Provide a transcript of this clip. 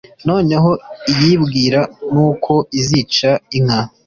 noneho iyibwira n’uko izica inka,